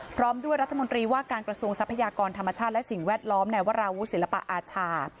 พร้อมด้วยรัฐมนตรีว่าการกระทรวงทรัพยากรธรรมชาติและสิ่งแวดล้อมในวราวุศิลปะอาชา